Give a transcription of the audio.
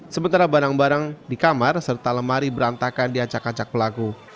sementara barang barang di kamar serta lemari berantakan di acak acak pelaku